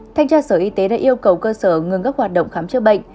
thanh tra sở y tế đã yêu cầu cơ sở ngừng các hoạt động khám chữa bệnh